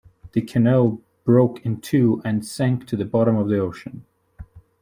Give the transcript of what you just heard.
The canoe broke in two and sank to the bottom of the ocean.